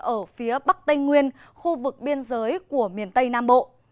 ở phía bắc tây nguyên khu vực biên giới của miền tây nam bộ